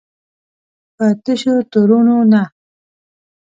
په تشو تورونو نه.